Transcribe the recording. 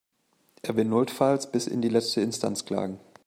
Er will notfalls bis in die letzte Instanz klagen.